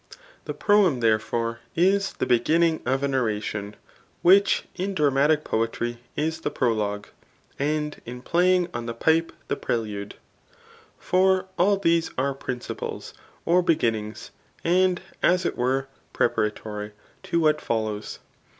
The proem, therefore, is the beginning of an oration ; which in [dramatic] poetry is the prologue ; and in play ing on the pipe the prelude. For all these are princi ples or beginnmgs, and as it were preparatory, to what follows.